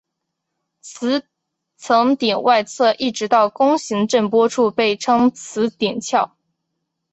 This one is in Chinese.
磁层顶外侧一直到弓形震波处被称磁层鞘。